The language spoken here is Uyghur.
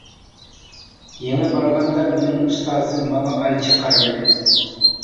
يېڭى بارغاندا، مېنىڭ ئۇستازىم ماڭا ئانچە قارىمىدى.